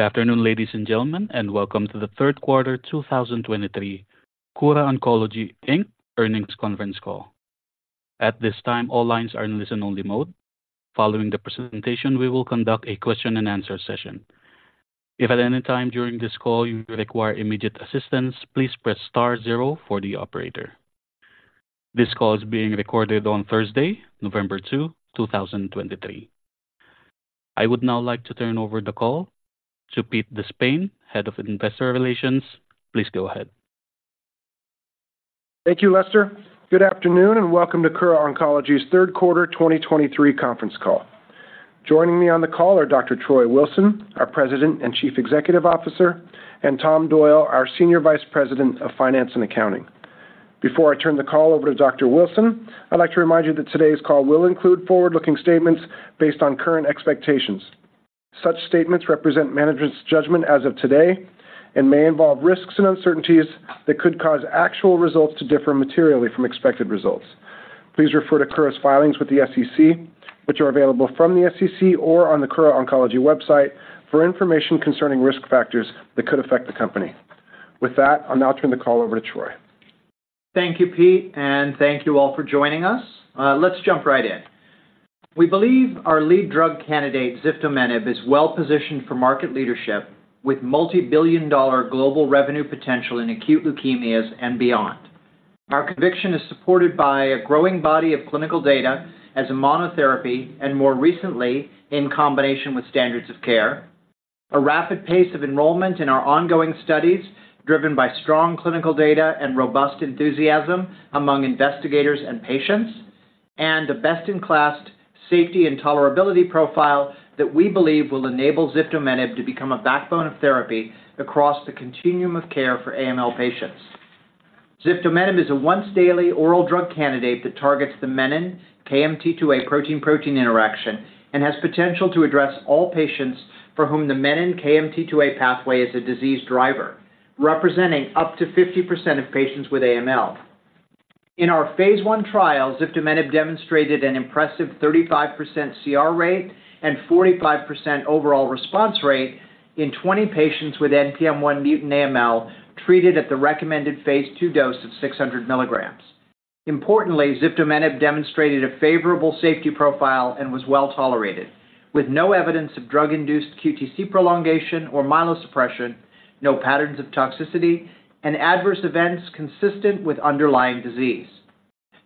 Good afternoon, ladies and gentlemen, and welcome to the third quarter 2023 Kura Oncology Inc. Earnings Conference Call. At this time, all lines are in listen-only mode. Following the presentation, we will conduct a question and answer session. If at any time during this call you require immediate assistance, please press star zero for the operator. This call is being recorded on Thursday, November 2, 2023. I would now like to turn over the call to Pete De Spain, Head of Investor Relations. Please go ahead. Thank you, Lester. Good afternoon, and welcome to Kura Oncology's third quarter 2023 conference call. Joining me on the call are Dr. Troy Wilson, our President and Chief Executive Officer, and Tom Doyle, our Senior Vice President of Finance and Accounting. Before I turn the call over to Dr. Wilson, I'd like to remind you that today's call will include forward-looking statements based on current expectations. Such statements represent management's judgment as of today and may involve risks and uncertainties that could cause actual results to differ materially from expected results. Please refer to Kura's filings with the SEC, which are available from the SEC or on the Kura Oncology website, for information concerning risk factors that could affect the company. With that, I'll now turn the call over to Troy. Thank you, Pete, and thank you all for joining us. Let's jump right in. We believe our lead drug candidate, ziftomenib, is well-positioned for market leadership with multi-billion dollar global revenue potential in acute leukemias and beyond. Our conviction is supported by a growing body of clinical data as a monotherapy, and more recently, in combination with standards of care, a rapid pace of enrollment in our ongoing studies, driven by strong clinical data and robust enthusiasm among investigators and patients, and a best-in-class safety and tolerability profile that we believe will enable ziftomenib to become a backbone of therapy across the continuum of care for AML patients. Ziftomenib is a once daily oral drug candidate that targets the menin KMT2A protein-protein interaction and has potential to address all patients for whom the menin KMT2A pathway is a disease driver, representing up to 50% of patients with AML. In our phase I trial, ziftomenib demonstrated an impressive 35% CR rate and 45% overall response rate in 20 patients with NPM1 mutant AML, treated at the recommended phase II dose of 600 mg. Importantly, ziftomenib demonstrated a favorable safety profile and was well-tolerated, with no evidence of drug-induced QTc prolongation or myelosuppression, no patterns of toxicity, and adverse events consistent with underlying disease.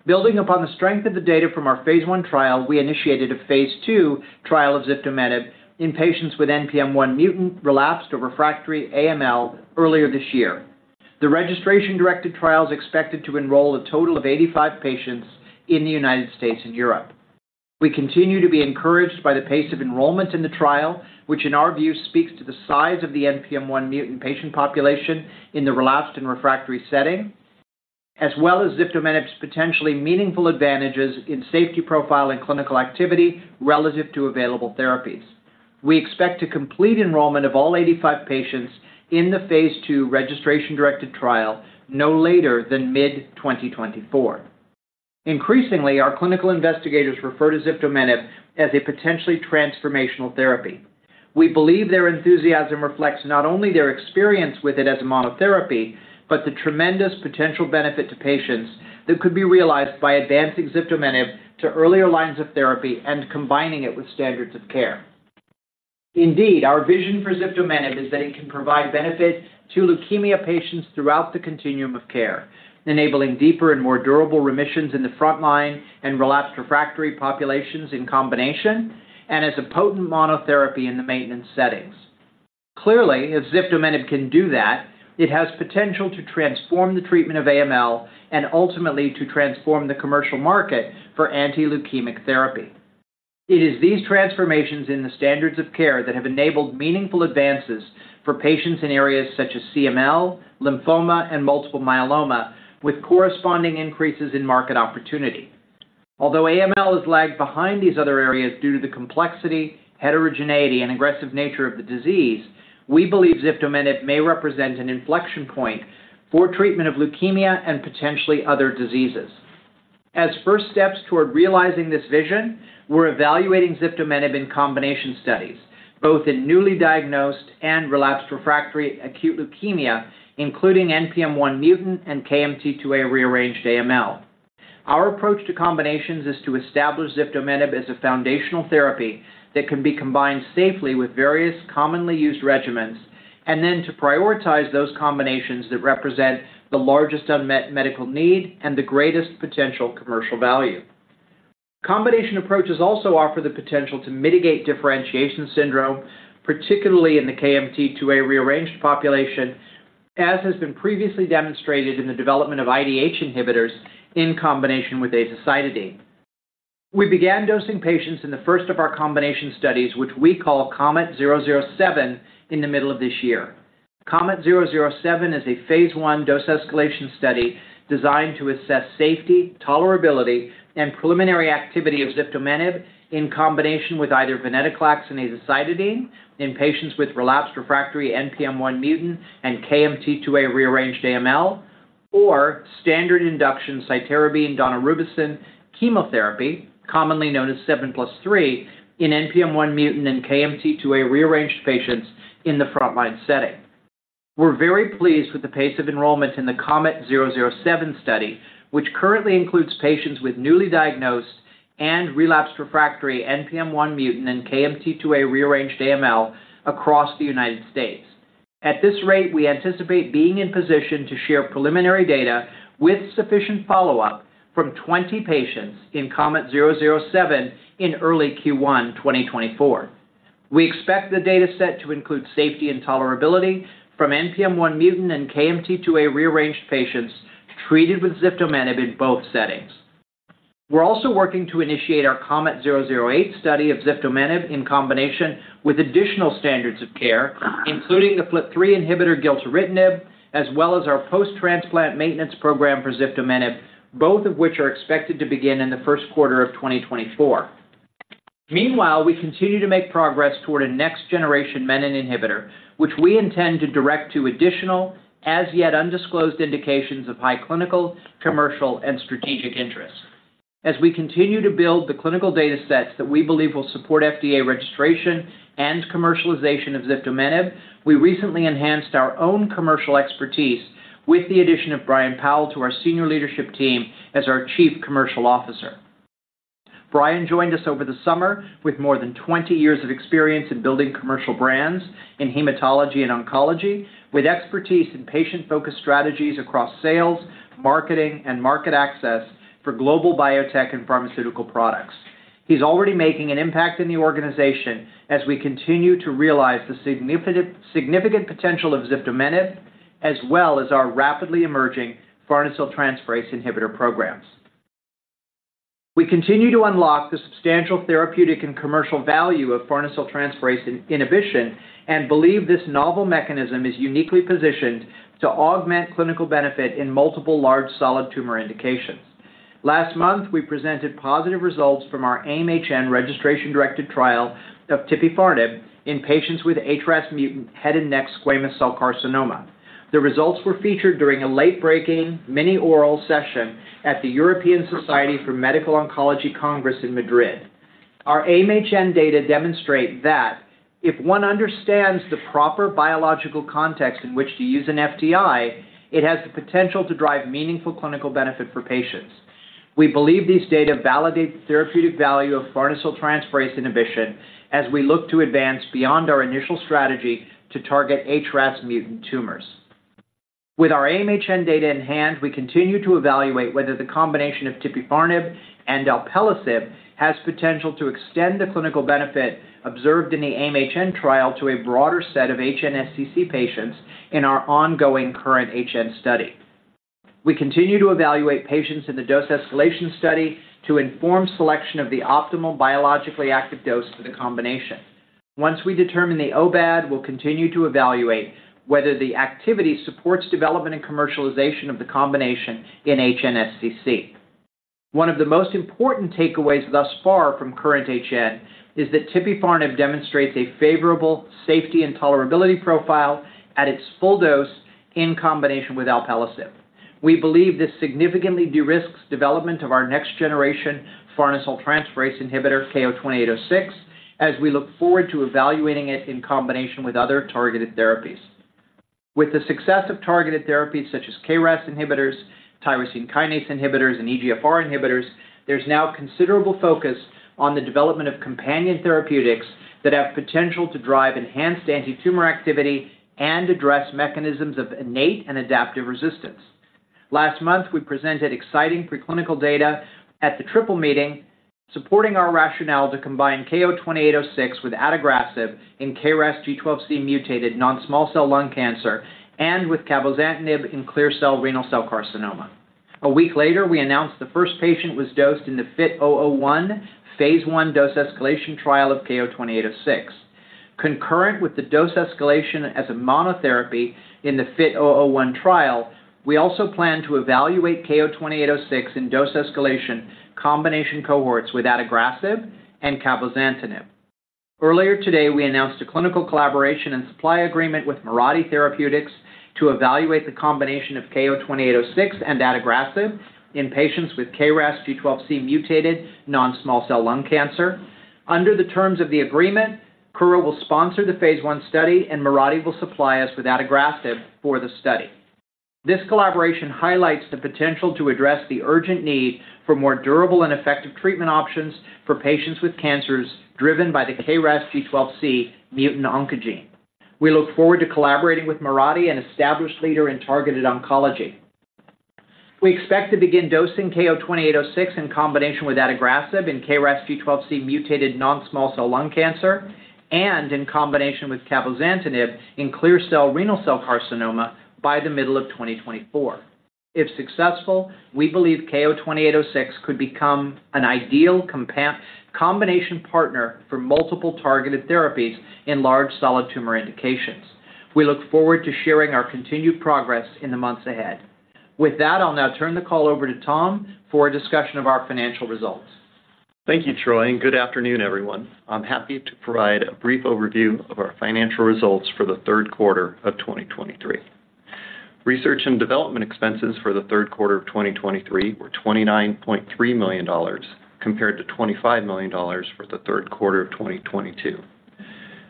Building upon the strength of the data from our phase I trial, we initiated a phase II trial of ziftomenib in patients with NPM1 mutant relapsed or refractory AML earlier this year. The registration-directed trial is expected to enroll a total of 85 patients in the United States and Europe. We continue to be encouraged by the pace of enrollment in the trial, which in our view, speaks to the size of the NPM1 mutant patient population in the relapsed and refractory setting, as well as ziftomenib's potentially meaningful advantages in safety profile and clinical activity relative to available therapies. We expect to complete enrollment of all 85 patients in the phase II registration-directed trial no later than mid-2024. Increasingly, our clinical investigators refer to ziftomenib as a potentially transformational therapy. We believe their enthusiasm reflects not only their experience with it as a monotherapy, but the tremendous potential benefit to patients that could be realized by advancing ziftomenib to earlier lines of therapy and combining it with standards of care. Indeed, our vision for ziftomenib is that it can provide benefit to leukemia patients throughout the continuum of care, enabling deeper and more durable remissions in the frontline and relapsed refractory populations in combination, and as a potent monotherapy in the maintenance settings. Clearly, if ziftomenib can do that, it has potential to transform the treatment of AML and ultimately to transform the commercial market for anti-leukemic therapy. It is these transformations in the standards of care that have enabled meaningful advances for patients in areas such as CML, lymphoma, and multiple myeloma, with corresponding increases in market opportunity. Although AML has lagged behind these other areas due to the complexity, heterogeneity, and aggressive nature of the disease, we believe ziftomenib may represent an inflection point for treatment of leukemia and potentially other diseases. As first steps toward realizing this vision, we're evaluating ziftomenib in combination studies, both in newly diagnosed and relapsed refractory acute leukemia, including NPM1 mutant and KMT2A rearranged AML. Our approach to combinations is to establish ziftomenib as a foundational therapy that can be combined safely with various commonly used regimens, and then to prioritize those combinations that represent the largest unmet medical need and the greatest potential commercial value. Combination approaches also offer the potential to mitigate differentiation syndrome, particularly in the KMT2A rearranged population, as has been previously demonstrated in the development of IDH inhibitors in combination with azacitidine. We began dosing patients in the first of our combination studies, which we call KOMET-007, in the middle of this year. KOMET-007 is a phase I dose-escalation study designed to assess safety, tolerability, and preliminary activity of ziftomenib in combination with either venetoclax and azacitidine in patients with relapsed refractory NPM1 mutant and KMT2A rearranged AML, or standard induction cytarabine daunorubicin chemotherapy, commonly known as 7+3, in NPM1 mutant and KMT2A rearranged patients in the frontline setting. We're very pleased with the pace of enrollment in the KOMET-007 study, which currently includes patients with newly diagnosed and relapsed refractory NPM1 mutant and KMT2A rearranged AML across the United States. At this rate, we anticipate being in position to share preliminary data with sufficient follow-up from 20 patients in KOMET-007 in early Q1 2024. We expect the data set to include safety and tolerability from NPM1 mutant and KMT2A rearranged patients treated with ziftomenib in both settings. We're also working to initiate our KOMET-008 study of ziftomenib in combination with additional standards of care, including the FLT3 inhibitor gilteritinib, as well as our post-transplant maintenance program for ziftomenib, both of which are expected to begin in the first quarter of 2024. Meanwhile, we continue to make progress toward a next-generation menin inhibitor, which we intend to direct to additional, as yet undisclosed, indications of high clinical, commercial, and strategic interest. As we continue to build the clinical data sets that we believe will support FDA registration and commercialization of ziftomenib, we recently enhanced our own commercial expertise with the addition of Brian Powl to our senior leadership team as our Chief Commercial Officer. Brian joined us over the summer with more than 20 years of experience in building commercial brands in hematology and oncology, with expertise in patient-focused strategies across sales, marketing, and market access for global biotech and pharmaceutical products. He's already making an impact in the organization as we continue to realize the significant, significant potential of ziftomenib, as well as our rapidly emerging farnesyltransferase inhibitor programs. We continue to unlock the substantial therapeutic and commercial value of farnesyltransferase inhibition and believe this novel mechanism is uniquely positioned to augment clinical benefit in multiple large solid tumor indications. Last month, we presented positive results from our AIM-HN registration-directed trial of tipifarnib in patients with HRAS mutant head and neck squamous cell carcinoma. The results were featured during a late-breaking Mini Oral session at the European Society for Medical Oncology Congress in Madrid. Our AIM-HN data demonstrate that if one understands the proper biological context in which to use an FTI, it has the potential to drive meaningful clinical benefit for patients. We believe these data validate the therapeutic value of farnesyltransferase inhibition as we look to advance beyond our initial strategy to target HRAS-mutant tumors. With our AIM-HN data in hand, we continue to evaluate whether the combination of tipifarnib and alpelisib has potential to extend the clinical benefit observed in the AIM-HN trial to a broader set of HNSCC patients in our ongoing KURRENT-HN study. We continue to evaluate patients in the dose escalation study to inform selection of the optimal biologically active dose for the combination. Once we determine the OBAD, we'll continue to evaluate whether the activity supports development and commercialization of the combination in HNSCC. One of the most important takeaways thus far from KURRENT-HN is that tipifarnib demonstrates a favorable safety and tolerability profile at its full dose in combination with alpelisib. We believe this significantly de-risks development of our next generation farnesyltransferase inhibitor, KO-2806, as we look forward to evaluating it in combination with other targeted therapies. With the success of targeted therapies such as KRAS inhibitors, tyrosine kinase inhibitors, and EGFR inhibitors, there's now considerable focus on the development of companion therapeutics that have potential to drive enhanced antitumor activity and address mechanisms of innate and adaptive resistance. Last month, we presented exciting preclinical data at the Triple Meeting, supporting our rationale to combine KO-2806 with adagrasib in KRAS G12C mutated non-small cell lung cancer and with cabozantinib in clear cell renal cell carcinoma. A week later, we announced the first patient was dosed in the FIT-001 phase I dose escalation trial of KO-2806. Concurrent with the dose escalation as a monotherapy in the FIT-001 trial, we also plan to evaluate KO-2806 in dose escalation combination cohorts with adagrasib and cabozantinib. Earlier today, we announced a clinical collaboration and supply agreement with Mirati Therapeutics to evaluate the combination of KO-2806 and adagrasib in patients with KRAS G12C mutated non-small cell lung cancer. Under the terms of the agreement, Kura will sponsor the phase I study, and Mirati will supply us with adagrasib for the study. This collaboration highlights the potential to address the urgent need for more durable and effective treatment options for patients with cancers driven by the KRAS G12C mutant oncogene. We look forward to collaborating with Mirati, an established leader in targeted oncology. We expect to begin dosing KO-2806 in combination with adagrasib in KRAS G12C mutated non-small cell lung cancer and in combination with cabozantinib in clear cell renal cell carcinoma by the middle of 2024. If successful, we believe KO-2806 could become an ideal combination partner for multiple targeted therapies in large solid tumor indications. We look forward to sharing our continued progress in the months ahead. With that, I'll now turn the call over to Tom for a discussion of our financial results.... Thank you, Troy, and good afternoon, everyone. I'm happy to provide a brief overview of our financial results for the third quarter of 2023. Research and development expenses for the third quarter of 2023 were $29.3 million, compared to $25 million for the third quarter of 2022.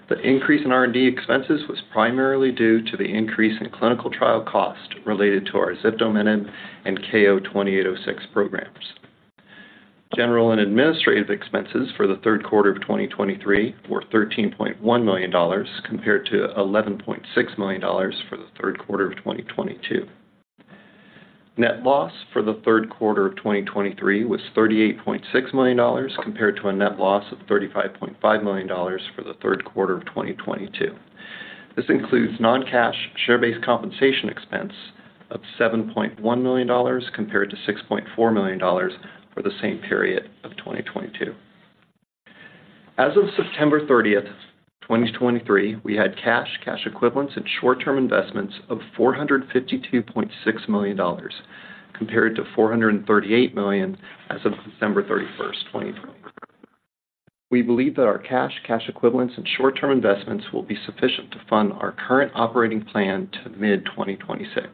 The increase in R&D expenses was primarily due to the increase in clinical trial costs related to our ziftomenib and KO-2806 programs. General and administrative expenses for the third quarter of 2023 were $13.1 million, compared to $11.6 million for the third quarter of 2022. Net loss for the third quarter of 2023 was $38.6 million, compared to a net loss of $35.5 million for the third quarter of 2022. This includes non-cash, share-based compensation expense of $7.1 million compared to $6.4 million for the same period of 2022. As of September 30, 2023, we had cash, cash equivalents and short-term investments of $452.6 million, compared to $438 million as of December 31, 2022. We believe that our cash, cash equivalents, and short-term investments will be sufficient to fund our current operating plan to mid-2026.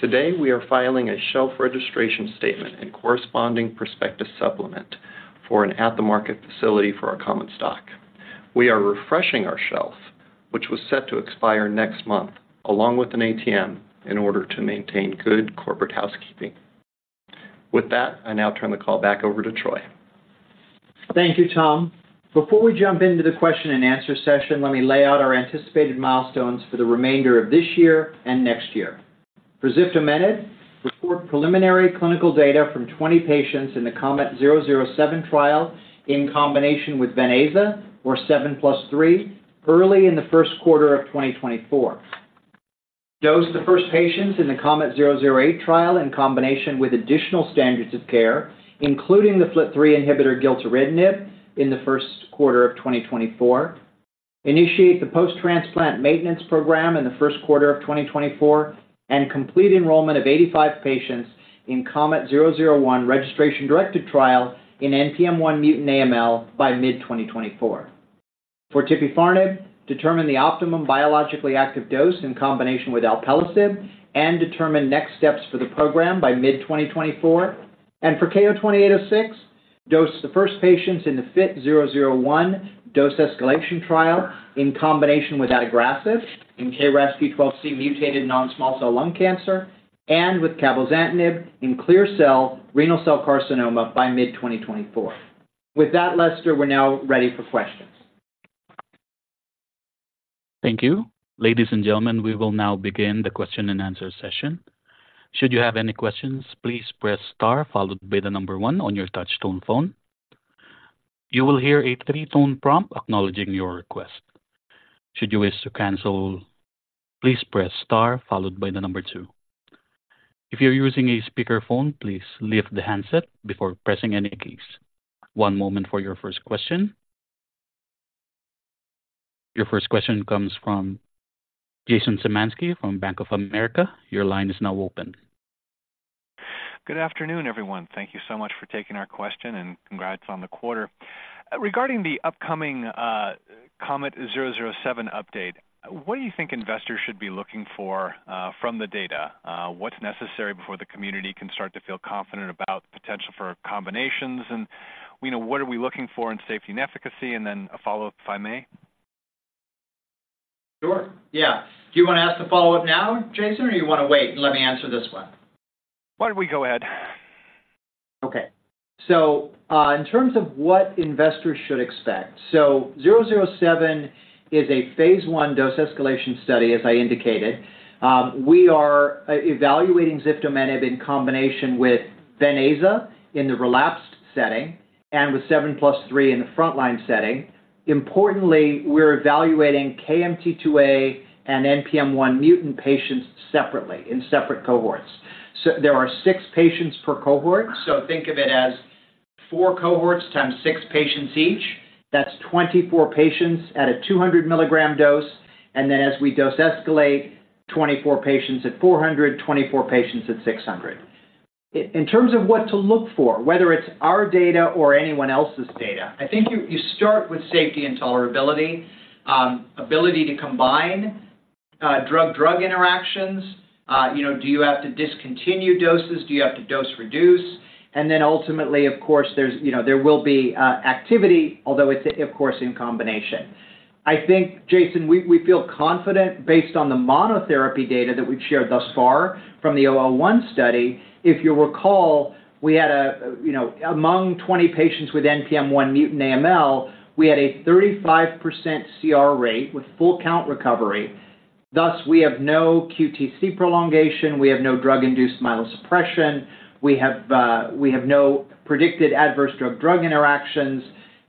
Today, we are filing a shelf registration statement and corresponding prospectus supplement for an at-the-market facility for our common stock. We are refreshing our shelf, which was set to expire next month, along with an ATM, in order to maintain good corporate housekeeping. With that, I now turn the call back over to Troy. Thank you, Tom. Before we jump into the question and answer session, let me lay out our anticipated milestones for the remainder of this year and next year. For ziftomenib, report preliminary clinical data from 20 patients in the KOMET-007 trial in combination with venetoclax or 7+3 early in the first quarter of 2024. Dose the first patients in the KOMET-008 trial in combination with additional standards of care, including the FLT3 inhibitor, gilteritinib, in the first quarter of 2024. Initiate the post-transplant maintenance program in the first quarter of 2024, and complete enrollment of 85 patients in KOMET-001 registration-directed trial in NPM1-mutant AML by mid-2024. For tipifarnib, determine the optimum biologically active dose in combination with alpelisib and determine next steps for the program by mid-2024. For KO-2806, dose the first patients in the FIT-001 dose escalation trial in combination with adagrasib in KRAS G12C mutated non-small cell lung cancer, and with cabozantinib in clear cell renal cell carcinoma by mid-2024. With that, Lester, we're now ready for questions. Thank you. Ladies and gentlemen, we will now begin the question and answer session. Should you have any questions, please press star, followed by the number one on your touchtone phone. You will hear a three-tone prompt acknowledging your request. Should you wish to cancel, please press star followed by the number two. If you're using a speakerphone, please lift the handset before pressing any keys. One moment for your first question. Your first question comes from Jason Zemansky from Bank of America. Your line is now open. Good afternoon, everyone. Thank you so much for taking our question, and congrats on the quarter. Regarding the upcoming KOMET-007 update, what do you think investors should be looking for from the data? What's necessary before the community can start to feel confident about the potential for combinations? And, we know, what are we looking for in safety and efficacy? And then a follow-up, if I may. Sure. Yeah. Do you want to ask the follow-up now, Jason, or you want to wait and let me answer this one? Why don't we go ahead? Okay. So, in terms of what investors should expect, so 007 is a phase I dose escalation study, as I indicated. We are evaluating ziftomenib in combination with venetoclax in the relapsed setting and with 7+3 in the frontline setting. Importantly, we're evaluating KMT2A and NPM1-mutant patients separately, in separate cohorts. So there are six patients per cohort, so think of it as four cohorts times six patients each. That's 24 patients at a 200 mg dose, and then, as we dose escalate, 24 patients at 400, 24 patients at 600. In terms of what to look for, whether it's our data or anyone else's data, I think you start with safety and tolerability, ability to combine, drug-drug interactions. You know, do you have to discontinue doses? Do you have to dose reduce? And then ultimately, of course, there's, you know, there will be activity, although it's of course in combination. I think, Jason, we feel confident based on the monotherapy data that we've shared thus far from the 001 study. If you recall, we had a, you know, among 20 patients with NPM1-mutant AML, we had a 35% CR rate with full count recovery. Thus, we have no QTc prolongation, we have no drug-induced myelosuppression, we have no predicted adverse drug-drug interactions,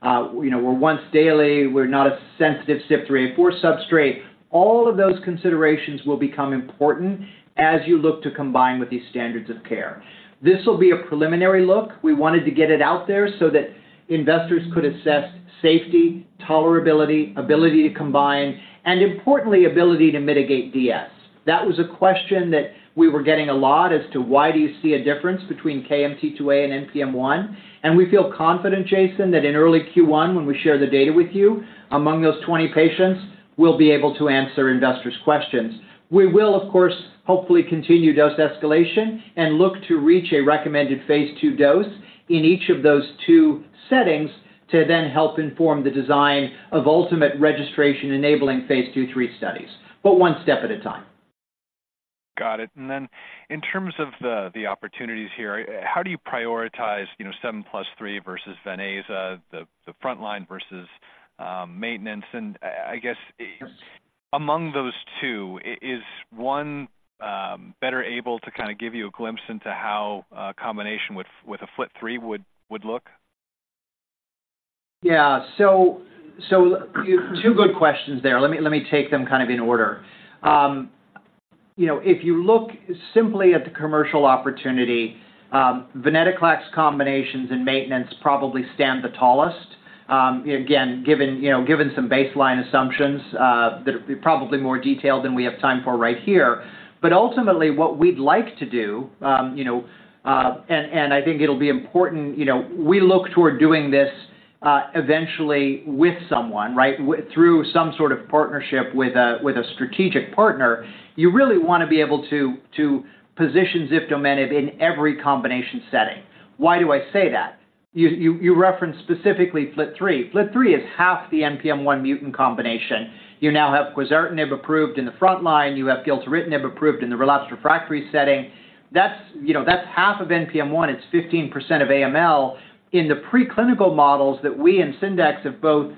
you know, we're once daily, we're not a sensitive CYP3A4 substrate. All of those considerations will become important as you look to combine with these standards of care. This will be a preliminary look. We wanted to get it out there so that investors could assess safety, tolerability, ability to combine, and importantly, ability to mitigate DS. That was a question that we were getting a lot as to why do you see a difference between KMT2A and NPM1? We feel confident, Jason, that in early Q1, when we share the data with you, among those 20 patients, we'll be able to answer investors' questions. We will, of course, hopefully continue dose escalation and look to reach a recommended phase II dose in each of those two settings, to then help inform the design of ultimate registration-enabling phase II, phase III studies, but one step at a time. Got it. And then in terms of the opportunities here, how do you prioritize, you know, 7+3 versus venetoclax, the frontline versus maintenance? And, I guess, among those two, is one better able to kind of give you a glimpse into how a combination with a FLT3 would look? Yeah. So, so two good questions there. Let me, let me take them kind of in order. You know, if you look simply at the commercial opportunity, venetoclax combinations and maintenance probably stand the tallest. Again, given, you know, given some baseline assumptions, that are probably more detailed than we have time for right here. But ultimately, what we'd like to do, you know, and, and I think it'll be important, you know, we look toward doing this, eventually with someone, right? Through some sort of partnership with a, with a strategic partner. You really want to be able to, to position ziftomenib in every combination setting. Why do I say that? You, you, you referenced specifically FLT3. FLT3 is half the NPM1 mutant combination. You now have quizartinib approved in the frontline, you have gilteritinib approved in the relapsed refractory setting. That's, you know, that's half of NPM1; it's 15% of AML. In the preclinical models that we and Syndax have both,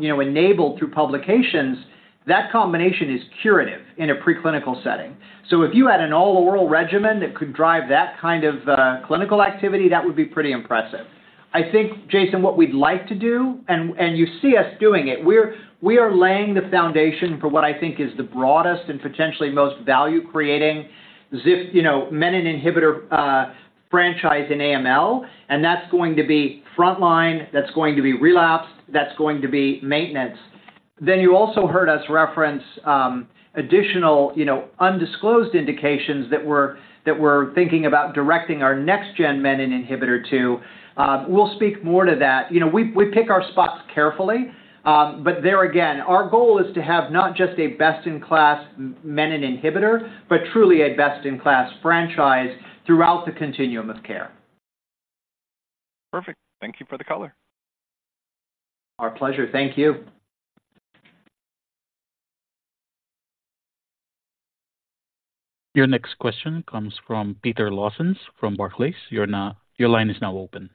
you know, enabled through publications, that combination is curative in a preclinical setting. So if you had an all-oral regimen that could drive that kind of clinical activity, that would be pretty impressive. I think, Jason, what we'd like to do, and you see us doing it, we are laying the foundation for what I think is the broadest and potentially most value-creating zif, you know, menin inhibitor franchise in AML, and that's going to be frontline, that's going to be relapsed, that's going to be maintenance. Then you also heard us reference additional, you know, undisclosed indications that we're thinking about directing our next gen menin inhibitor to. We'll speak more to that. You know, we pick our spots carefully, but there again, our goal is to have not just a best-in-class menin inhibitor, but truly a best-in-class franchise throughout the continuum of care. Perfect. Thank you for the color. Our pleasure. Thank you. Your next question comes from Peter Lawson from Barclays. Your line is now open.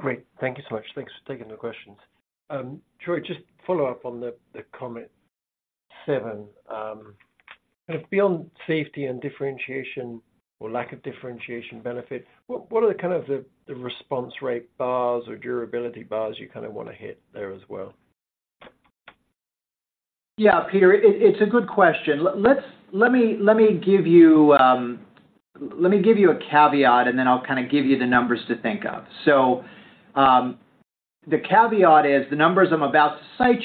Great. Thank you so much. Thanks for taking the questions. Troy, just follow up on the KOMET-007. Kind of beyond safety and differentiation or lack of differentiation benefit, what are the kind of response rate bars or durability bars you kind of want to hit there as well? Yeah, Peter, it's a good question. Let me give you a caveat, and then I'll kind of give you the numbers to think of. So, the caveat is, the numbers I'm about to cite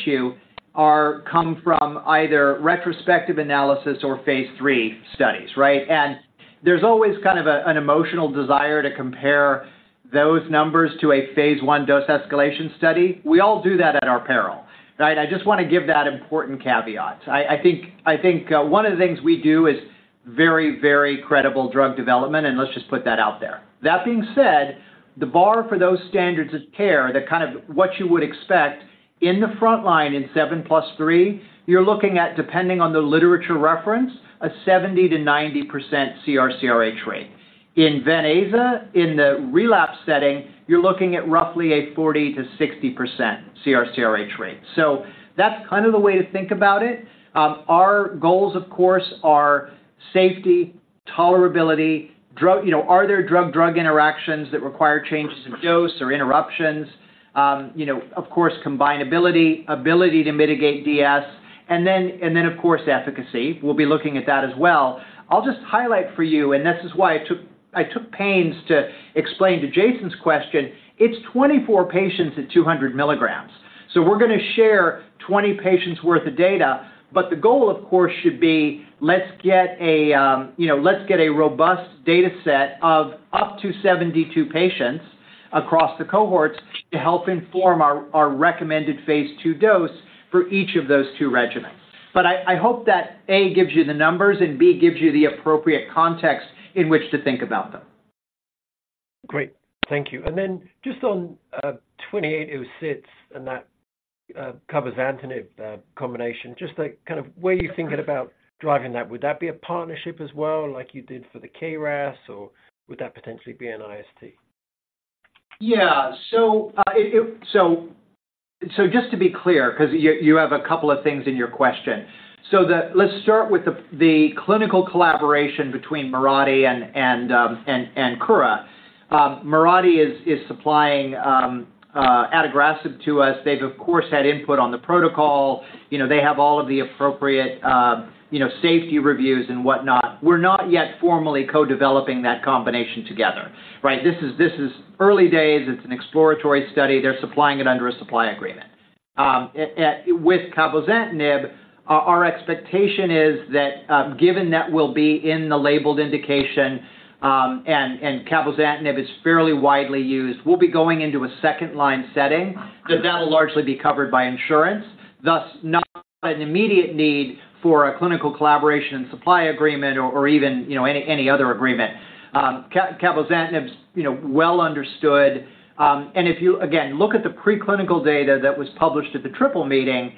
come from either retrospective analysis or phase III studies, right? And there's always kind of an emotional desire to compare those numbers to a phase I dose escalation study. We all do that at our peril, right? I think one of the things we do is very, very credible drug development, and let's just put that out there. That being said, the bar for those standards of care, the kind of what you would expect in the frontline in 7+3, you're looking at, depending on the literature reference, a 70%-90% CR/CRh rate. In venetoclax-azacitidine, in the relapse setting, you're looking at roughly a 40%-60% CR/CRh rate. So that's kind of the way to think about it. Our goals, of course, are safety, tolerability, drug... You know, are there drug-drug interactions that require changes in dose or interruptions? You know, of course, combinability, ability to mitigate DS, and then, and then, of course, efficacy. We'll be looking at that as well. I'll just highlight for you, and this is why I took, I took pains to explain to Jason's question, it's 24 patients at 200 mg. So we're gonna share 20 patients worth of data, but the goal, of course, should be let's get a, you know, let's get a robust data set of up to 72 patients across the cohorts to help inform our, our recommended Phase II dose for each of those two regimens. But I, I hope that, A, gives you the numbers, and B, gives you the appropriate context in which to think about them. Great. Thank you. And then just on 2806, and that covers ziftomenib combination, just like kind of where are you thinking about driving that? Would that be a partnership as well, like you did for the KRAS, or would that potentially be an IST? Yeah. So just to be clear, because you have a couple of things in your question. Let's start with the clinical collaboration between Mirati and Kura. Mirati is supplying adagrasib to us. They've, of course, had input on the protocol. You know, they have all of the appropriate, you know, safety reviews and whatnot. We're not yet formally co-developing that combination together, right? This is early days. It's an exploratory study. They're supplying it under a supply agreement. With cabozantinib, our expectation is that, given that we'll be in the labeled indication, and cabozantinib is fairly widely used, we'll be going into a second-line setting. So that'll largely be covered by insurance, thus not an immediate need for a clinical collaboration and supply agreement or, or even, you know, any, any other agreement. Cabozantinib's, you know, well understood, and if you, again, look at the preclinical data that was published at the Triple Meeting,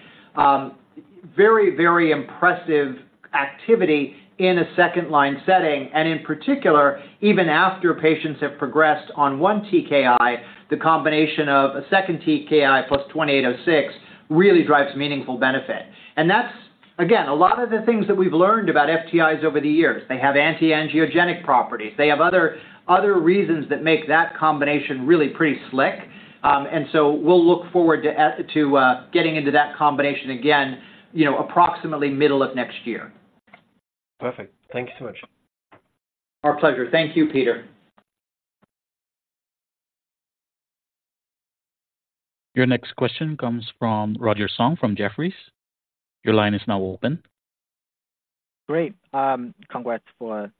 very, very impressive activity in a second-line setting, and in particular, even after patients have progressed on one TKI, the combination of a second TKI plus KO-2806 really drives meaningful benefit. And that's, again, a lot of the things that we've learned about FTIs over the years. They have anti-angiogenic properties. They have other, other reasons that make that combination really pretty slick. And so we'll look forward to getting into that combination again, you know, approximately middle of next year. Perfect. Thank you so much. Our pleasure. Thank you, Peter. Your next question comes from Roger Song from Jefferies. Your line is now open. Great. Congrats for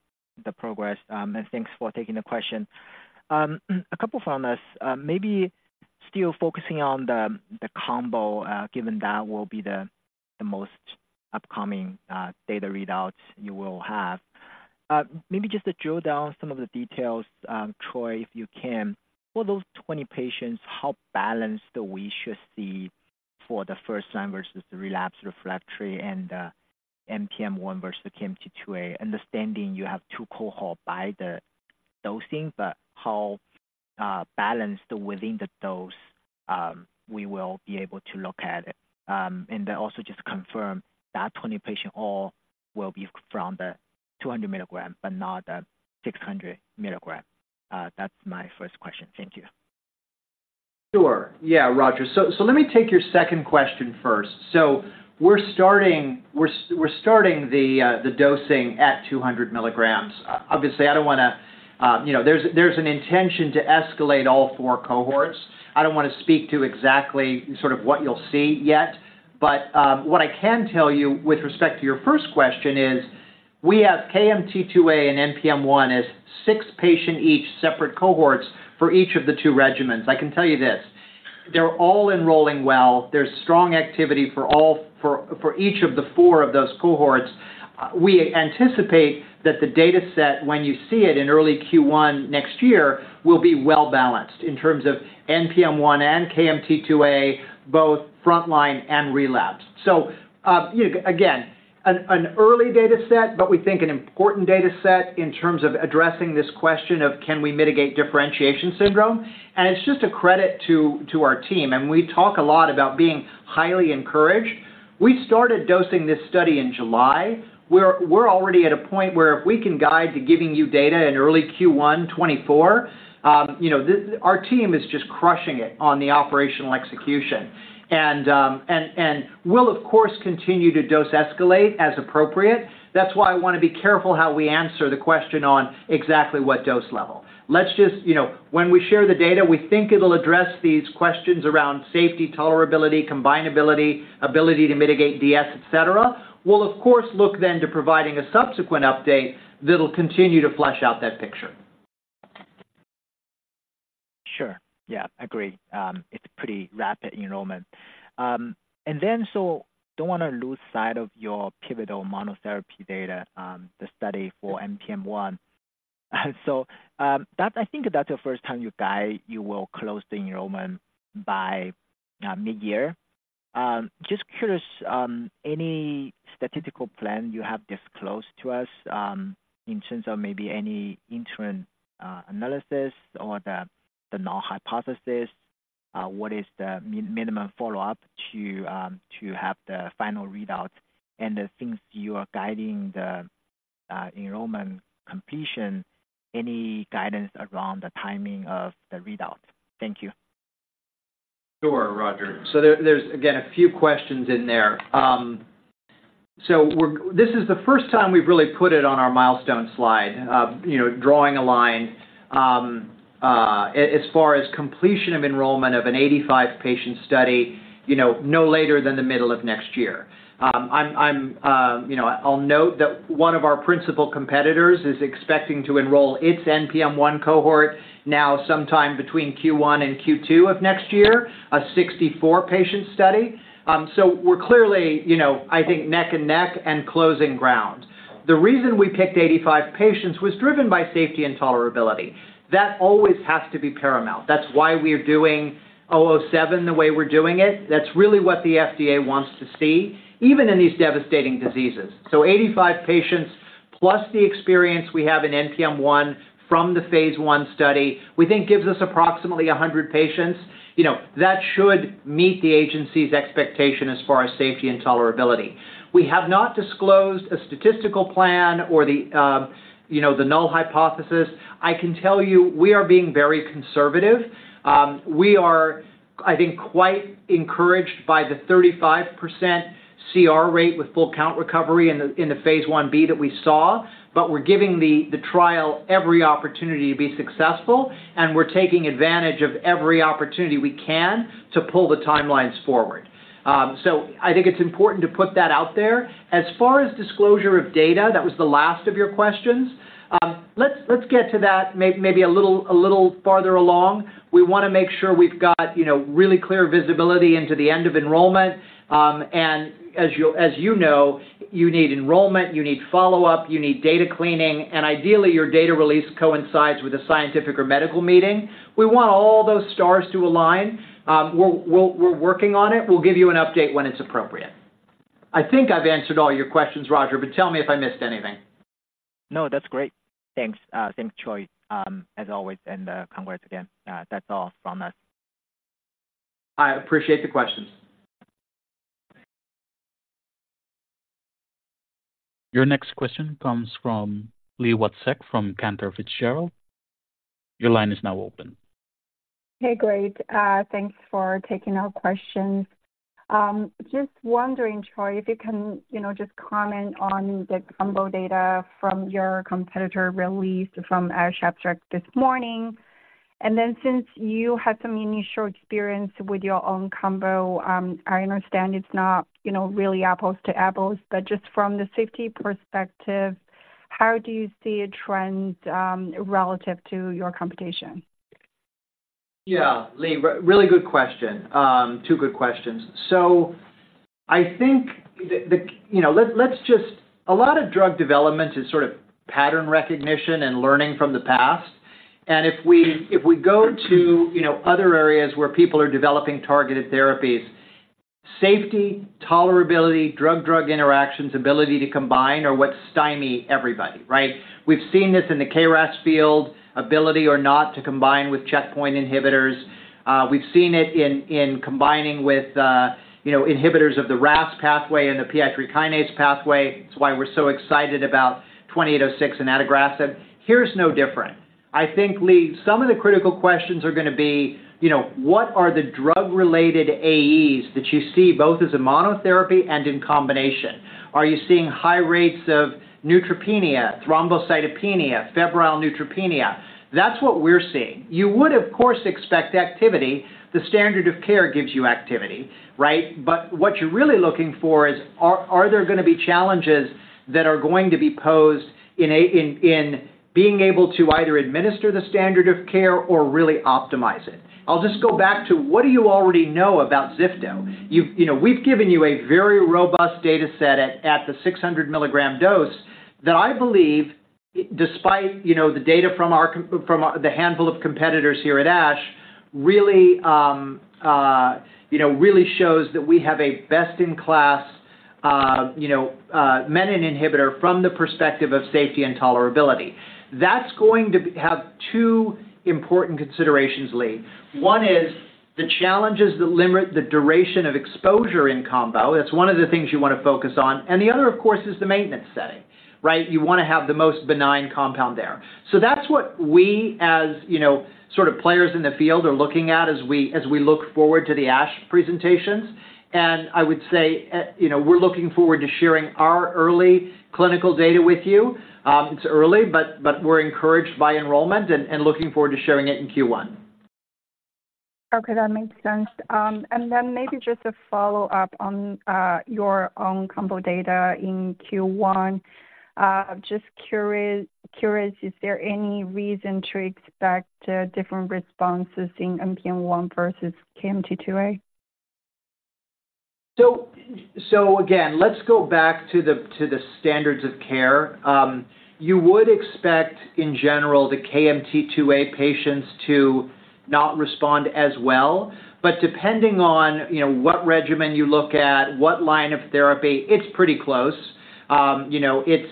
the progress, and thanks for taking the question. A couple from us. Maybe still focusing on the combo, given that will be the most upcoming data readouts you will have. Maybe just to drill down some of the details, Troy, if you can, for those 20 patients, how balanced we should see for the first line versus the relapse/refractory and NPM1 versus the KMT2A, understanding you have two cohort by the dosing, but how balanced within the dose, we will be able to look at it. And then also just confirm that 20 patient all will be from the 200 mg, but not the 600 mg. That's my first question. Thank you. Sure. Yeah, Roger. So let me take your second question first. So we're starting the dosing at 200 mg. Obviously, I don't wanna you know... There's an intention to escalate all four cohorts. I don't wanna speak to exactly sort of what you'll see yet, but what I can tell you with respect to your first question is, we have KMT2A and NPM1 as six-patient each separate cohorts for each of the two regimens. I can tell you this: They're all enrolling well. There's strong activity for all, for each of the four of those cohorts. We anticipate that the dataset, when you see it in early Q1 next year, will be well-balanced in terms of NPM1 and KMT2A, both frontline and relapsed. So, again, an early dataset, but we think an important dataset in terms of addressing this question of can we mitigate differentiation syndrome? And it's just a credit to our team, and we talk a lot about being highly encouraged. We started dosing this study in July. We're already at a point where if we can guide to giving you data in early Q1 2024, you know, our team is just crushing it on the operational execution. And we'll of course continue to dose escalate as appropriate. That's why I wanna be careful how we answer the question on exactly what dose level. Let's just, you know, when we share the data, we think it'll address these questions around safety, tolerability, combinability, ability to mitigate DS, et cetera. Well, of course, look then to providing a subsequent update that'll continue to flesh out that picture. Sure. Yeah, agree. It's a pretty rapid enrollment. And then, so don't wanna lose sight of your pivotal monotherapy data, the study for NPM1. And so, that I think that's the first time you guide you will close the enrollment by midyear. Just curious, any statistical plan you have disclosed to us, in terms of maybe any interim analysis or the null hypothesis, what is the minimum follow-up to have the final readout? And the things you are guiding the enrollment completion, any guidance around the timing of the readout? Thank you. Sure, Roger. So there, there's again, a few questions in there. So we're this is the first time we've really put it on our milestone slide, you know, drawing a line, as far as completion of enrollment of an 85-patient study, you know, no later than the middle of next year. I'm, you know, I'll note that one of our principal competitors is expecting to enroll its NPM1 cohort now sometime between Q1 and Q2 of next year, a 64-patient study. So we're clearly, you know, I think, neck and neck and closing ground. The reason we picked 85 patients was driven by safety and tolerability. That always has to be paramount. That's why we are doing 007 the way we're doing it. That's really what the FDA wants to see, even in these devastating diseases. 85 patients, plus the experience we have in NPM1 from the phase I study, we think gives us approximately 100 patients. You know, that should meet the agency's expectation as far as safety and tolerability. We have not disclosed a statistical plan or the, you know, the null hypothesis. I can tell you, we are being very conservative. We are, I think, quite encouraged by the 35% CR rate with full count recovery in the phase I-b that we saw, but we're giving the trial every opportunity to be successful, and we're taking advantage of every opportunity we can to pull the timelines forward. So I think it's important to put that out there. As far as disclosure of data, that was the last of your questions. Let's get to that maybe a little farther along. We wanna make sure we've got, you know, really clear visibility into the end of enrollment. And as you know, you need enrollment, you need follow-up, you need data cleaning, and ideally, your data release coincides with a scientific or medical meeting. We want all those stars to align. We're working on it. We'll give you an update when it's appropriate. I think I've answered all your questions, Roger, but tell me if I missed anything. No, that's great. Thanks. Thanks, Troy, as always, and congrats again. That's all from us. I appreciate the questions. Your next question comes from Li Watsek, from Cantor Fitzgerald. Your line is now open. Hey, great. Thanks for taking our questions. Just wondering, Troy, if you can, you know, just comment on the combo data from your competitor released from ASH abstract this morning. And then since you had some initial experience with your own combo, I understand it's not, you know, really apples to apples, but just from the safety perspective, how do you see a trend relative to your competition? Yeah, Li, really good question. Two good questions. So I think the, you know, let's just... A lot of drug development is sort of pattern recognition and learning from the past, and if we go to, you know, other areas where people are developing targeted therapies, safety, tolerability, drug-drug interactions, ability to combine are what stymie everybody, right? We've seen this in the KRAS field, ability or not to combine with checkpoint inhibitors. We've seen it in combining with, you know, inhibitors of the RAS pathway and the PI3 kinase pathway. It's why we're so excited about 2806 and adagrasib. Here's no different. I think, Li, some of the critical questions are gonna be, you know, what are the drug-related AEs that you see both as a monotherapy and in combination? Are you seeing high rates of neutropenia, thrombocytopenia, febrile neutropenia? That's what we're seeing. You would, of course, expect activity. The standard of care gives you activity, right? But what you're really looking for is, are there gonna be challenges that are going to be posed in being able to either administer the standard of care or really optimize it? I'll just go back to, what do you already know about ziftomenib? You've, you know, we've given you a very robust data set at the 600 mg dose that I believe, despite, you know, the data from our from the handful of competitors here at ASH, really, you know, really shows that we have a best-in-class menin inhibitor from the perspective of safety and tolerability. That's going to be, have two important considerations, Li. One is the challenges that limit the duration of exposure in combo. That's one of the things you wanna focus on, and the other, of course, is the maintenance setting, right? You wanna have the most benign compound there. So that's what we, as, you know, sort of players in the field, are looking at as we look forward to the ASH presentations. And I would say, you know, we're looking forward to sharing our early clinical data with you. It's early, but we're encouraged by enrollment and looking forward to sharing it in Q1. Okay, that makes sense. And then maybe just a follow-up on your own combo data in Q1. Just curious, is there any reason to expect different responses in NPM1 versus KMT2A? So again, let's go back to the standards of care. You would expect, in general, the KMT2A patients to not respond as well, but depending on, you know, what regimen you look at, what line of therapy, it's pretty close. You know, it's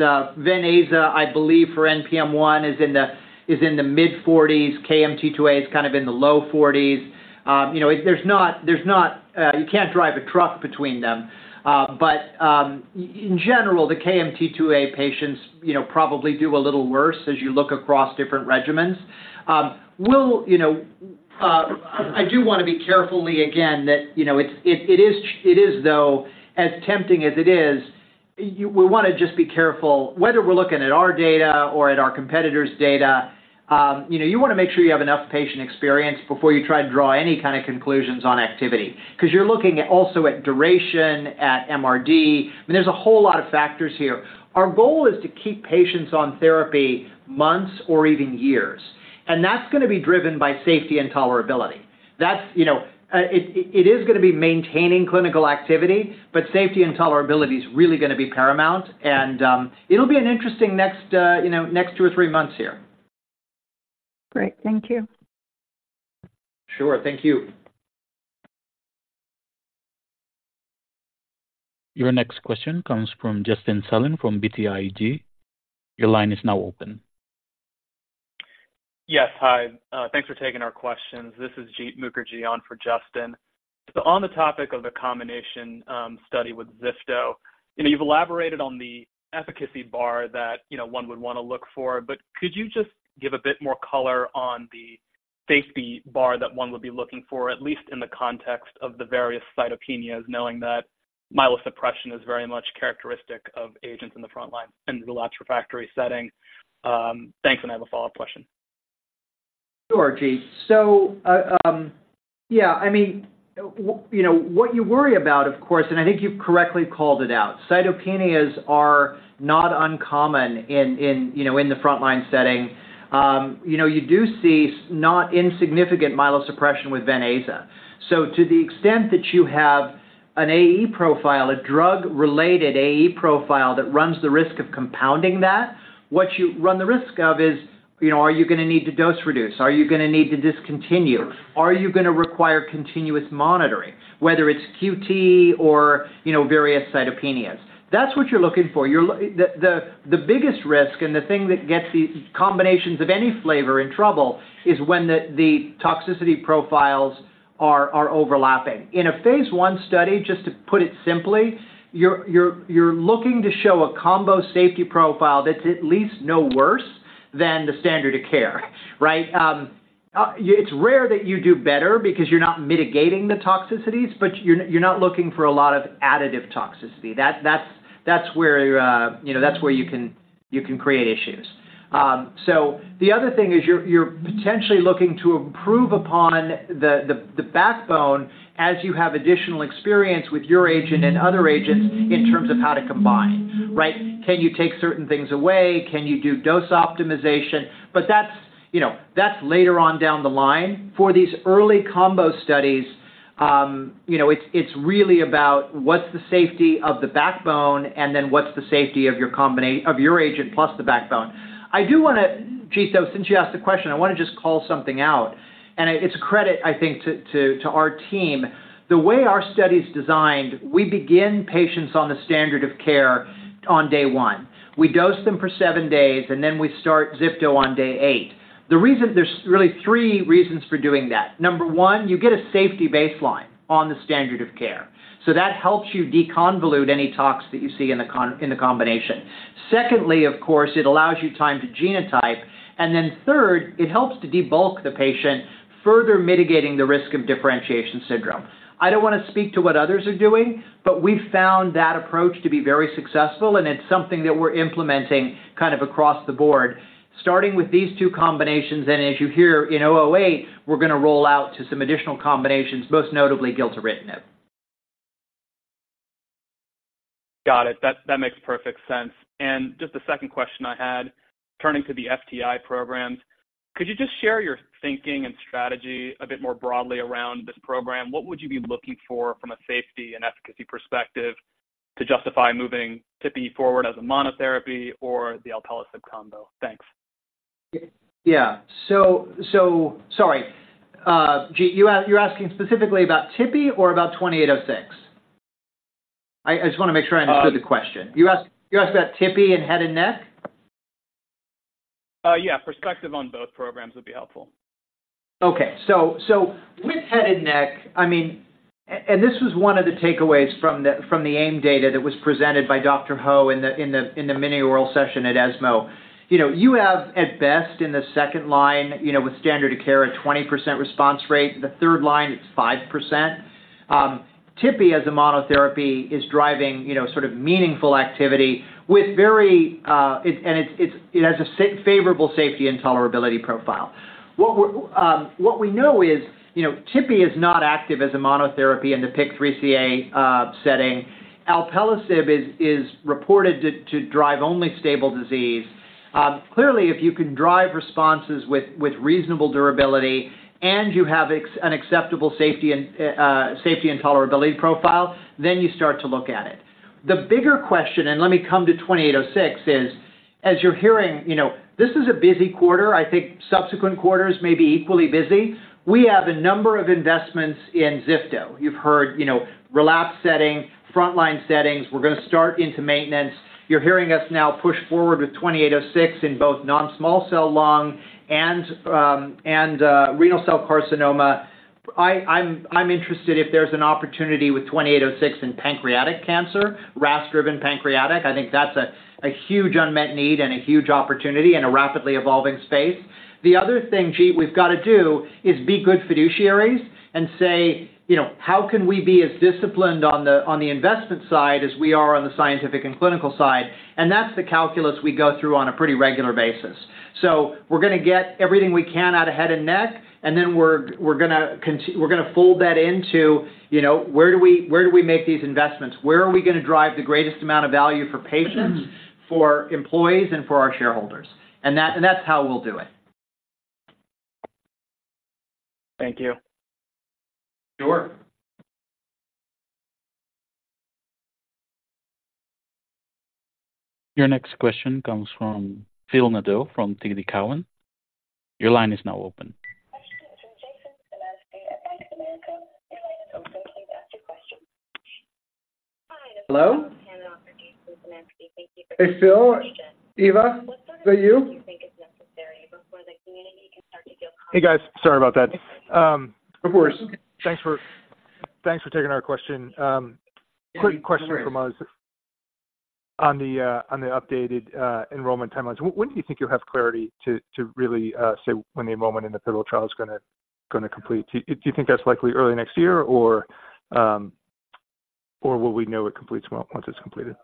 venetoclax, I believe for NPM1, is in the mid-forties. KMT2A is kind of in the low forties. You know, there's not... you can't drive a truck between them. But in general, the KMT2A patients, you know, probably do a little worse as you look across different regimens. We'll, you know, I do wanna be careful, Li, again, that, you know, it is, though, as tempting as it is, we wanna just be careful, whether we're looking at our data or at our competitors' data, you know, you wanna make sure you have enough patient experience before you try to draw any kind of conclusions on activity. 'Cause you're looking also at duration, at MRD, and there's a whole lot of factors here. Our goal is to keep patients on therapy months or even years, and that's gonna be driven by safety and tolerability. That's, you know, it is gonna be maintaining clinical activity, but safety and tolerability is really gonna be paramount, and, it'll be an interesting next, you know, next two or three months here. Great. Thank you. Sure. Thank you. Your next question comes from Justin Zelin from BTIG. Your line is now open. Yes. Hi, thanks for taking our questions. This is Jeet Mukherjee on for Justin. So on the topic of the combination study with ziftomenib, you know, you've elaborated on the efficacy bar that, you know, one would wanna look for, but could you just give a bit more color on the safety bar that one would be looking for, at least in the context of the various cytopenias, knowing that myelosuppression is very much characteristic of agents in the front line in the relapsed/refractory setting. Thanks, and I have a follow-up question. Sure, Jeet. So, yeah, I mean, you know, what you worry about, of course, and I think you've correctly called it out, cytopenias are not uncommon in you know, in the front-line setting. You know, you do see not insignificant myelosuppression with venetoclax. So to the extent that you have an AE profile, a drug-related AE profile that runs the risk of compounding that, what you run the risk of is, you know, are you going to need to dose reduce? Are you going to need to discontinue? Are you going to require continuous monitoring, whether it's QT or, you know, various cytopenias? That's what you're looking for. The biggest risk and the thing that gets these combinations of any flavor in trouble is when the toxicity profiles are overlapping. In a phase I study, just to put it simply, you're looking to show a combo safety profile that's at least no worse than the standard of care, right? It's rare that you do better because you're not mitigating the toxicities, but you're not looking for a lot of additive toxicity. That's where, you know, that's where you can create issues. So the other thing is, you're potentially looking to improve upon the backbone as you have additional experience with your agent and other agents in terms of how to combine, right? Can you take certain things away? Can you do dose optimization? But that's, you know, that's later on down the line. For these early combo studies, you know, it's, it's really about what's the safety of the backbone, and then what's the safety of your combination of your agent, plus the backbone. I do want to, Jeet, though, since you asked the question, I want to just call something out, and it, it's a credit, I think, to, to, to our team. The way our study is designed, we begin patients on the standard of care on Day one. We dose them for seven days, and then we start ziftomenib on day 8. The reason... there's really three reasons for doing that. Number one, you get a safety baseline on the standard of care, so that helps you deconvolute any toxicity that you see in the combination. Secondly, of course, it allows you time to genotype. And then third, it helps to debulk the patient, further mitigating the risk of differentiation syndrome. I don't want to speak to what others are doing, but we found that approach to be very successful, and it's something that we're implementing kind of across the board, starting with these two combinations. As you hear, in 008, we're going to roll out to some additional combinations, most notably gilteritinib. Got it. That, that makes perfect sense. And just the second question I had, turning to the FTI programs, could you just share your thinking and strategy a bit more broadly around this program? What would you be looking for from a safety and efficacy perspective to justify moving tipifarnib forward as a monotherapy or the alpelisib combo? Thanks. Yeah. Sorry, Jeet, you, you're asking specifically about Tipi or about 2806? I just want to make sure I understood the question. You asked about Tipi and head and neck? Yeah, perspective on both programs would be helpful. Okay, so with head and neck, I mean, and this was one of the takeaways from the AIM-HN data that was presented by Dr. Ho in the mini oral session at ESMO. You know, you have at best in the second line, you know, with standard of care, a 20% response rate. The third line, it's 5%. Tipifarnib as a monotherapy is driving, you know, sort of meaningful activity with very and it's it has a favorable safety and tolerability profile. What we know is, you know, tipifarnib is not active as a monotherapy in the PIK3CA setting. Alpelisib is reported to drive only stable disease. Clearly, if you can drive responses with reasonable durability and you have an acceptable safety and tolerability profile, then you start to look at it. The bigger question, and let me come to KO-2806, is, as you're hearing, you know, this is a busy quarter. I think subsequent quarters may be equally busy. We have a number of investments in ziftomenib. You've heard, you know, relapse setting, frontline settings. We're going to start into maintenance. You're hearing us now push forward with KO-2806 in both non-small cell lung and renal cell carcinoma. I'm interested if there's an opportunity with KO-2806 in pancreatic cancer, RAS-driven pancreatic. I think that's a huge unmet need and a huge opportunity in a rapidly evolving space. The other thing, Jeet, we've got to do is be good fiduciaries and say, you know, "How can we be as disciplined on the, on the investment side as we are on the scientific and clinical side?" And that's the calculus we go through on a pretty regular basis. So we're going to get everything we can out of head and neck, and then we're going to fold that into, you know, where do we, where do we make these investments? Where are we going to drive the greatest amount of value for patients, for employees, and for our shareholders? And that's how we'll do it. Thank you. Sure. Your next question comes from Phil Nadeau from TD Cowen. Your line is now open. From Jason Zemansky at Bank of America, your line is open. Please ask your question. Hi, this is- Hello?... Hey, Phil? Eva, is that you? Do you think it's necessary before the community can start to feel- Hey, guys. Sorry about that. Of course. Thanks for taking our question. Quick question from us.... on the, on the updated enrollment timelines, when do you think you'll have clarity to really say when the enrollment in the pivotal trial is gonna complete? Do you think that's likely early next year, or will we know it completes well once it's completed?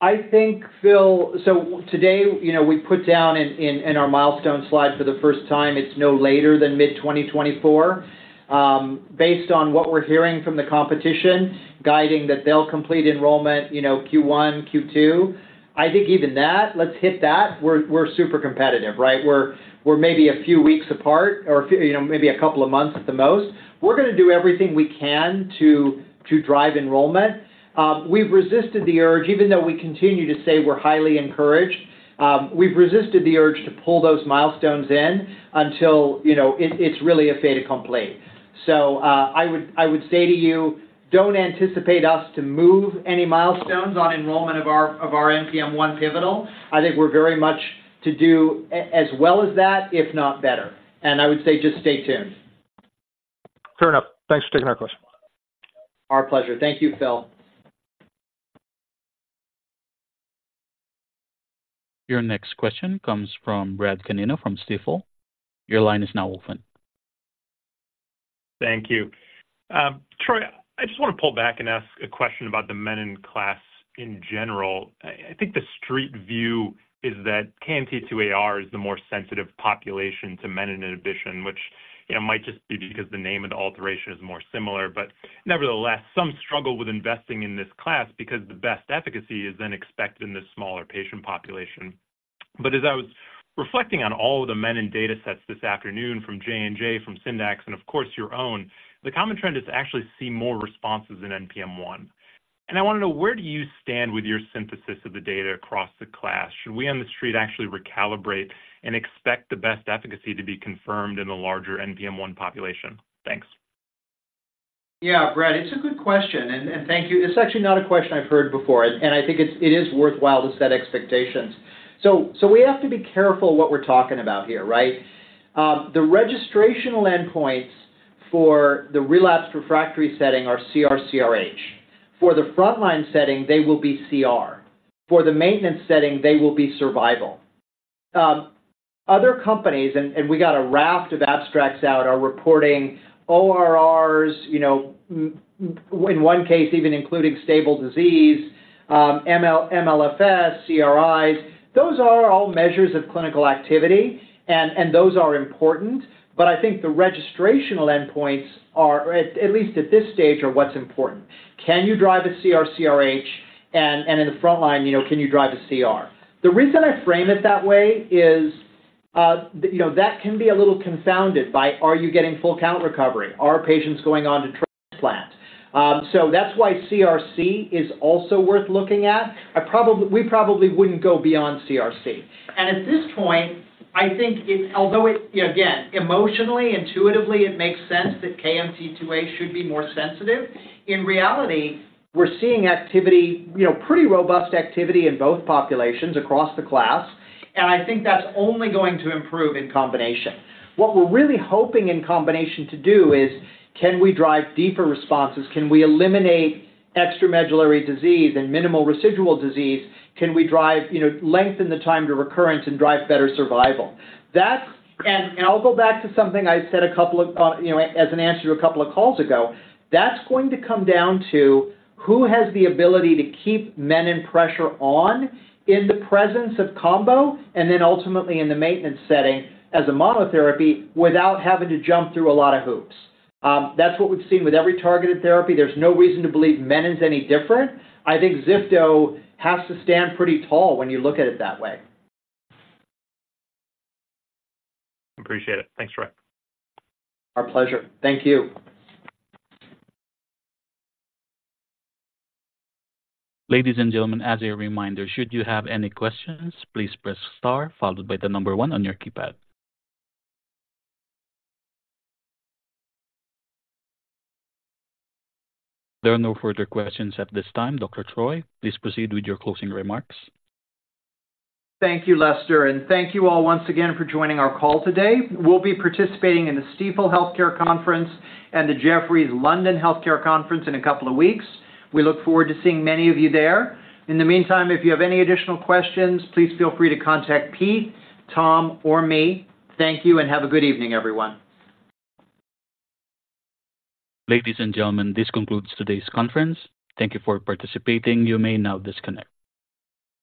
I think, Phil, so today, you know, we put down in our milestone slide for the first time, it's no later than mid-2024. Based on what we're hearing from the competition, guiding that they'll complete enrollment, you know, Q1, Q2. I think even that, let's hit that, we're super competitive, right? We're maybe a few weeks apart or a few, you know, maybe a couple of months at the most. We're gonna do everything we can to drive enrollment. We've resisted the urge, even though we continue to say we're highly encouraged, we've resisted the urge to pull those milestones in until, you know, it's really a fait accompli. So, I would say to you, don't anticipate us to move any milestones on enrollment of our NPM1 pivotal. I think we're very much to do as well as that, if not better. I would say just stay tuned. Fair enough. Thanks for taking our question. Our pleasure. Thank you, Phil. Your next question comes from Brad Canino from Stifel. Your line is now open. Thank you. Troy, I just want to pull back and ask a question about the menin class in general. I think the street view is that KMT2A-r is the more sensitive population to menin inhibition, which, you know, might just be because the menin alteration is more similar. But nevertheless, some struggle with investing in this class because the best efficacy is then expected in this smaller patient population. But as I was reflecting on all of the menin datasets this afternoon from J&J, from Syndax, and of course, your own, the common trend is to actually see more responses in NPM1. And I want to know, where do you stand with your synthesis of the data across the class? Should we on the street actually recalibrate and expect the best efficacy to be confirmed in the larger NPM1 population? Thanks. Yeah, Brad, it's a good question, and thank you. It's actually not a question I've heard before, and I think it is worthwhile to set expectations. So we have to be careful what we're talking about here, right? The registrational endpoints for the relapsed refractory setting are CR/CRh. For the frontline setting, they will be CR. For the maintenance setting, they will be survival. Other companies, and we got a raft of abstracts out, are reporting ORRs, you know, MRD in one case, even including stable disease, MLFS, CRi. Those are all measures of clinical activity, and those are important, but I think the registrational endpoints are, at least at this stage, what's important. Can you drive a CR/CRh? And in the frontline, you know, can you drive a CR? The reason I frame it that way is, you know, that can be a little confounded by, are you getting full count recovery? Are patients going on to transplant? So that's why CRc is also worth looking at. We probably wouldn't go beyond CRc. And at this point, I think it... although it, again, emotionally, intuitively, it makes sense that KMT2A should be more sensitive, in reality, we're seeing activity, you know, pretty robust activity in both populations across the class, and I think that's only going to improve in combination. What we're really hoping in combination to do is, can we drive deeper responses? Can we eliminate extramedullary disease and minimal residual disease? Can we drive, you know, lengthen the time to recurrence and drive better survival? That's, and I'll go back to something I said a couple of, you know, as an answer to a couple of calls ago. That's going to come down to who has the ability to keep menin pressure on in the presence of combo, and then ultimately in the maintenance setting as a monotherapy, without having to jump through a lot of hoops. That's what we've seen with every targeted therapy. There's no reason to believe menin is any different. I think ziftomenib has to stand pretty tall when you look at it that way. Appreciate it. Thanks, Troy. Our pleasure. Thank you. Ladies and gentlemen, as a reminder, should you have any questions, please press Star, followed by the number one on your keypad. There are no further questions at this time. Dr. Troy, please proceed with your closing remarks. Thank you, Lester, and thank you all once again for joining our call today. We'll be participating in the Stifel Healthcare Conference and the Jefferies London Healthcare Conference in a couple of weeks. We look forward to seeing many of you there. In the meantime, if you have any additional questions, please feel free to contact Pete, Tom, or me. Thank you and have a good evening, everyone. Ladies and gentlemen, this concludes today's conference. Thank you for participating. You may now disconnect.